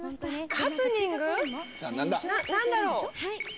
ハプニング何だろう？